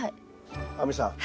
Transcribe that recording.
亜美さん